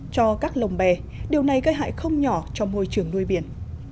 cho các lồng bè điều này gây hại không nhỏ cho môi trường nuôi biển